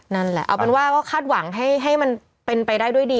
นั่นแหละเอาเป็นว่าก็คาดหวังให้มันเป็นไปได้ด้วยดี